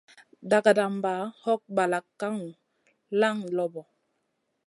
Dagadamba hog balak kaŋu, laŋ loɓo.